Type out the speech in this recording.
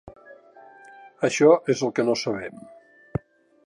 Això és el que no sabem.